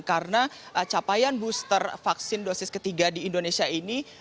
karena capaian booster vaksin dosis ketiga di indonesia ini